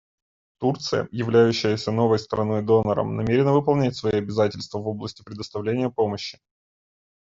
Турция, являющаяся новой страной-донором, намерена выполнять свои обязательства в области предоставления помощи.